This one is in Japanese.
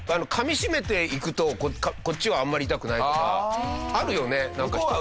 かみしめていくとこっちはあんまり痛くないとかあるよねなんか。